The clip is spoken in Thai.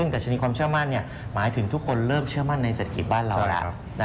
ดัชนีความเชื่อมั่นหมายถึงทุกคนเริ่มเชื่อมั่นในเศรษฐกิจบ้านเราแล้ว